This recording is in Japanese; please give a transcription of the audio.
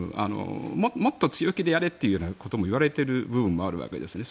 もっと強気でやれというようなことを言われている部分もあるわけですね。